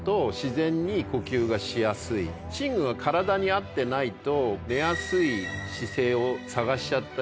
寝具が体に合ってないと。